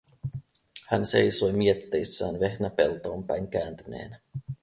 Hän seisoi mietteissään vehnäpeltoon päin kääntyneenä.